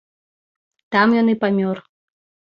Там ён і памёр.